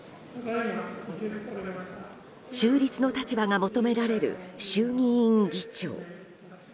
中立の立場が求められる衆議院議長。